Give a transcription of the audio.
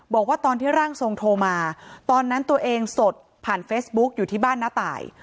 บอกว่าตอนที่ร่างทรงโทรมาตอนนั้นตัวเองสดผ่านเฟซบุ๊กอยู่ที่บ้านน้าตาย